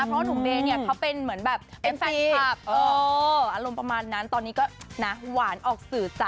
เพราะหนุ่มเบย์เนี่ยเขาเป็นแบบแฟนชัพอารมณ์ประมาณนั้นตอนนี้ก็หวานออกสื่อจ๊ะ